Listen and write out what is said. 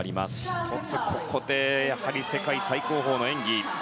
１つ、ここで世界最高峰の演技。